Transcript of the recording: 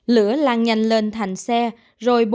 lửa lan nhanh lên thành xe rồi bùn